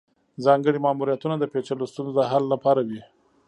ځانګړي ماموریتونه د پیچلو ستونزو د حل لپاره وي